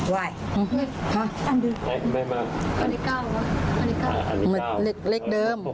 เหมือนเลขเดิม